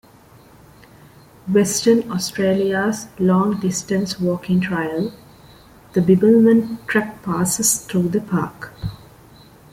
Western Australia's long-distance walking trail, the Bibbulmun Track passes through the park.